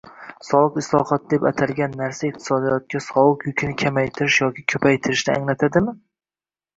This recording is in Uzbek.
Soliq islohoti deb atalgan narsa iqtisodiyotga soliq yukini kamaytirish yoki ko'paytirishni anglatadimi?